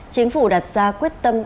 chính phủ đặt ra quyết tâm